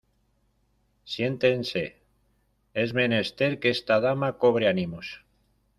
siéntense: es menester que esta dama cobre ánimos.